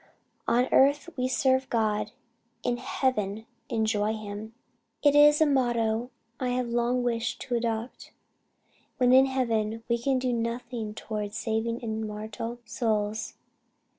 On earth we serve God in heaven enjoy him is a motto I have long wished to adopt. When in heaven we can do nothing towards saving immortal souls."